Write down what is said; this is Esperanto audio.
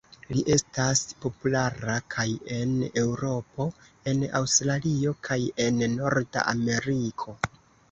Li estas populara kaj en Eŭropo, en Aŭstralio kaj en Norda Ameriko.